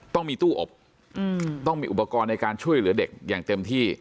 ต้องมีตู้อบต้องมีอุปกรณ์ในการช่วยเหลือเด็กอย่างเต็มที่